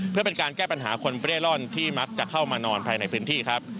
เพื่อเป็นการแก้ปัญหาคนเร่ร่อนที่มักจะเข้ามานอนภายในพื้นที่ครับ